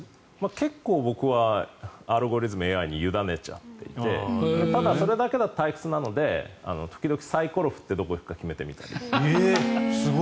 結構、僕はアルゴリズムＡＩに委ねちゃってそれだけだと退屈なので時々、サイコロ振ってどこに行くか決めてみたり。